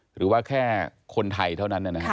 หรือว่าแค่คนไทยเท่านั้นนะครับ